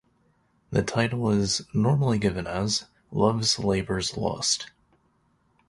The title is normally given as "Love's Labour's Lost".